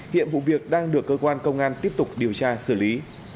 hiện vụ việc đang được cơ quan công an tiếp tục điều tra xử lý